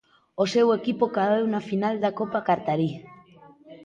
O seu equipo caeu na final da copa qatarí.